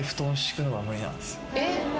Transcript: えっ？